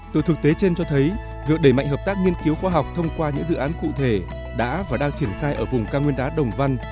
từ thực tế trên cho thấy việc đẩy mạnh hợp tác nghiên cứu khoa học thông qua những dự án cụ thể đã và đang triển khai ở vùng cao nguyên đá đồng văn